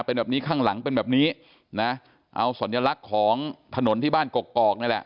เป็นแบบนี้ข้างหลังเป็นแบบนี้นะเอาสัญลักษณ์ของถนนที่บ้านกกอกนี่แหละ